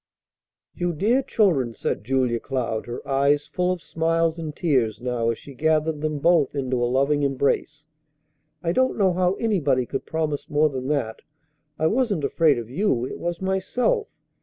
"You dear children!" said Julia Cloud, her eyes full of smiles and tears now as she gathered them both into a loving embrace. "I don't know how anybody could promise more than that. I wasn't afraid of you; it was myself.